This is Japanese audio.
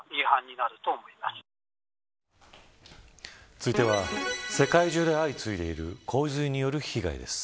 続いては世界中で相次いでいる洪水による被害です。